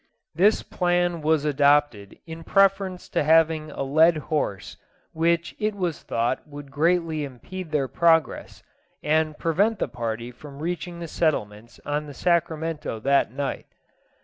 This plan was adopted in preference to having a led horse, which it was thought would greatly impede their progress, and prevent the party from reaching the settlements on the Sacramento that night.